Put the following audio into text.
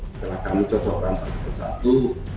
setelah kami cocokkan satu persatu